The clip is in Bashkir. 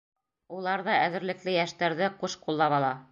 Улар ҙа әҙерлекле йәштәрҙе ҡуш ҡуллап ала.